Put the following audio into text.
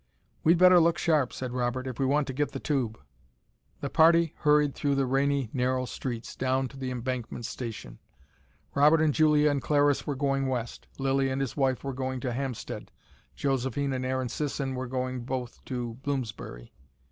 "We'd better look sharp," said Robert, "if we want to get the tube." The party hurried through the rainy narrow streets down to the Embankment station. Robert and Julia and Clariss were going west, Lilly and his wife were going to Hampstead, Josephine and Aaron Sisson were going both to Bloomsbury.